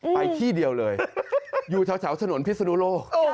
ไปที่เดียวเลยอยู่แถวถนนพิศนุโลก